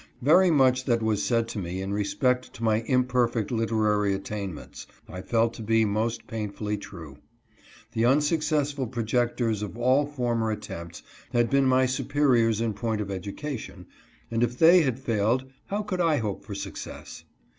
Very much that was said to me in respect to my imperfect literary attainments I felt to be most painfully true. The unsuccessful projectors of all former attempts had been my superiors in point of education, and if they had failed how could I hope for success